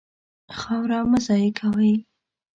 خاوره مه ضایع کوئ.